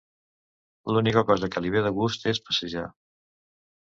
L'única cosa que li ve de gust és passejar.